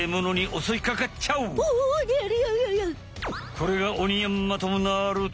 これがオニヤンマともなると。